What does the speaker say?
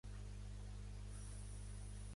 Al sud-est de Dobrovol'sky es troba el cràter Volkov.